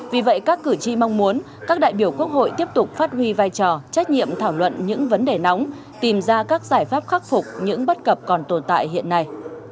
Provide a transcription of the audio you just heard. vì vậy các cử tri mong muốn các đại biểu quốc hội tiếp tục phát huy vai trò trách nhiệm thảo luận những vấn đề nóng tìm ra các giải pháp khắc phục những bất cập còn tồn tại hiện nay